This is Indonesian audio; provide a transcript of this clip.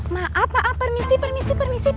maaf maaf permisi permisi permisi